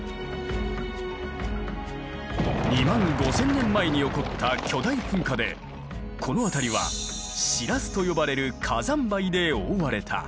２万５，０００年前に起こった巨大噴火でこの辺りはシラスと呼ばれる火山灰で覆われた。